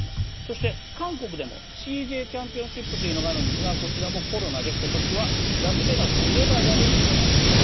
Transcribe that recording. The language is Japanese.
そして韓国でもＣＪチャンピオンシップというのがあるんですがこちらもコロナで今年はラスベガスのネバダで行われました。